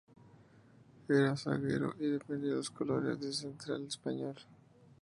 Era zaguero y defendió los colores de Central Español.